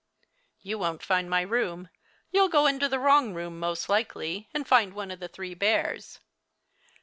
"You won't find my room. You'll go into the wrong room most likely, and find one of the three bears."